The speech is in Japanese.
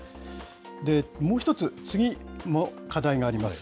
もう一つ、次も課題があります。